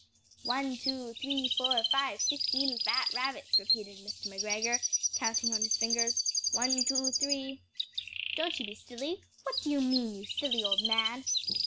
"One, two, three, four, five, six leetle fat rabbits!" repeated Mr. McGregor, counting on his fingers "one, two, three " "Don't you be silly; what do you mean, you silly old man?"